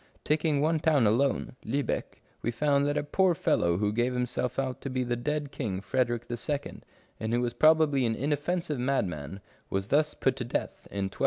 Taking one town alone, Lubeck, we find that a poor fellow who gave himself out to be the dead king Frederick 92 r L Strange Pains and Penalties II., and who was probably an inoffensive madman, was thus put to death in 1287.